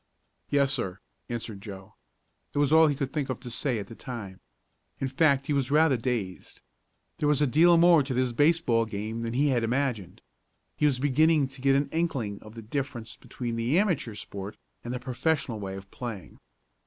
"Yes, sir," answered Joe. It was all he could think of to say at the time. In fact he was rather dazed. There was a deal more to this baseball game than he had imagined. He was beginning to get an inkling of the difference between the amateur sport and the professional way of playing.